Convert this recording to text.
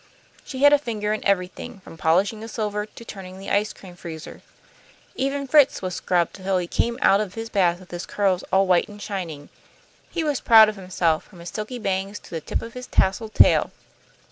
She had a finger in everything, from polishing the silver to turning the ice cream freezer. Even Fritz was scrubbed till he came out of his bath with his curls all white and shining. He was proud of himself, from his silky bangs to the tip of his tasselled tail.